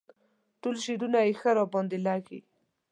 ټول شعرونه یې ښه راباندې لګيږي.